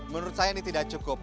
menurut saya ini tidak cukup